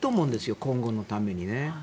今後のためにね。